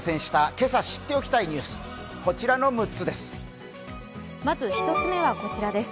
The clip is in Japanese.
今朝知っておきたいニュース、こちらの６つです。